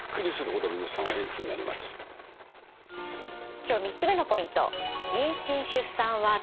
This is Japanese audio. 今日３つ目のポイント。